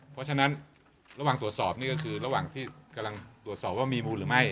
เพราะฉะนั้นระหว่างตรวจสอบนี่ก็คือระหว่างที่กำลังตรวจสอบว่ามีมูลหรือไม่